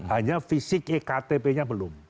hanya fisik ektp nya belum